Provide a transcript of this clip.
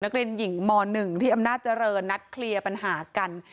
นักเรียนหญิงม๑ที่อำนาจเจริญนัดเคลียร์ปัญหากัน